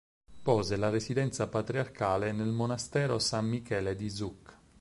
Pose la residenza patriarcale nel monastero San Michele di Zouk.